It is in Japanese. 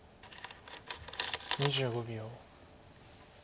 ２５秒。